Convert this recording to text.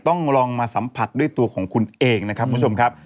ต้องลองมาสัมผัสด้วยตัวของคุณเองนะครับคุณผู้ชมครับ